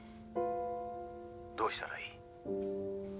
☎どうしたらいい？